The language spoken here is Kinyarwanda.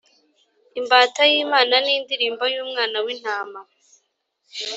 imbata y’imana, n’indirimbo y’umwana w’intama.